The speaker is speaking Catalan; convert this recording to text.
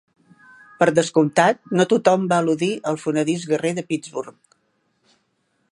Per descomptat, no tothom va eludir el fonedís guerrer de Pittsburgh.